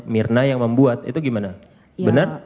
mirna yang membuat itu gimana benar